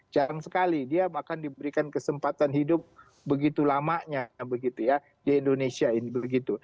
jarang sekali dia akan diberikan kesempatan hidup begitu lamanya begitu ya di indonesia ini begitu